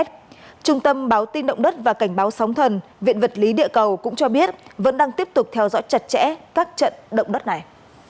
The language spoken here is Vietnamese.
trung tâm báo tin động đất và cảnh báo sóng thần viện vật lý địa cầu cũng cho biết vẫn đang tiếp tục theo dõi chặt chẽ các trận động đất này